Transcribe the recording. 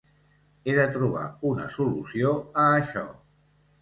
He de trobar una solució a això!